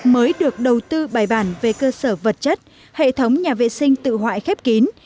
mới được đầu tư bài bản về cơ sở vật chất hệ thống nhà vệ sinh tự hoại khép kín